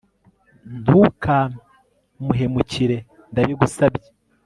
ntukamuhemukire ndabigusabye